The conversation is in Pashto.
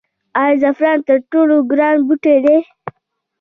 آیا زعفران تر ټولو ګران بوټی دی؟